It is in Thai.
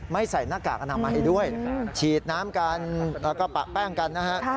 ไม่ใส่หน้ากากอนามมาให้ด้วยฉีดน้ำกันแล้วก็ปลากแป้งกันนะครับ